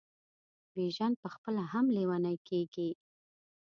بیژن پخپله هم لېونی کیږي.